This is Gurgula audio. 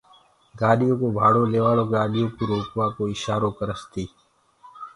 گآڏيو ڪو ڀاڙو ليوآݪو گآڏيو ڪو روڪوآ ڪو اشآرو ڪرس تيٚ